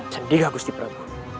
sandika gusti prabowo